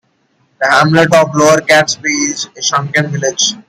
The hamlet of Lower Catesby is a shrunken village.